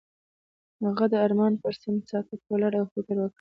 هغه د آرمان پر څنډه ساکت ولاړ او فکر وکړ.